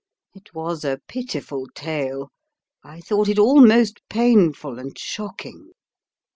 It was a pitiful tale. I thought it all most painful and shocking."